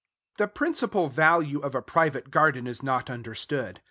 The principal value of a private garden is not understood.